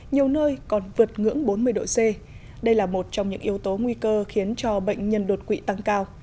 nhiều nơi còn vượt ngưỡng bốn mươi độ c đây là một trong những yếu tố nguy cơ khiến cho bệnh nhân đột quỵ tăng cao